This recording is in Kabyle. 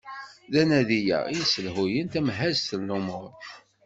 D anadi-a i yesselḥuyen tamhazt n lumuṛ.